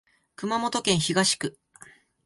熊本市東区